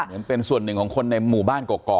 เหมือนเป็นส่วนหนึ่งของคนในหมู่บ้านกอก